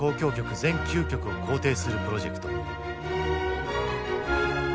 全９曲を校訂するプロジェクト。